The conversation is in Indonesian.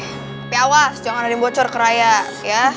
tapi awas jangan ada yang bocor ke raya ya